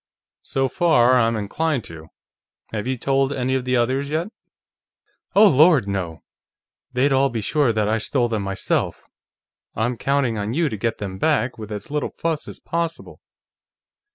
"So far, I'm inclined to. Have you told any of the others, yet?" "Oh, Lord, no! They'd all be sure that I stole them myself. I'm counting on you to get them back with as little fuss as possible.